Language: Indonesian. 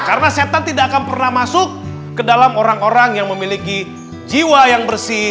karena setan tidak akan pernah masuk ke dalam orang orang yang memiliki jiwa yang bersih